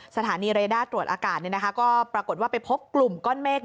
สถานีเรด้าตรวจอากาศก็ปรากฏว่าไปพบกลุ่มก้อนเมฆ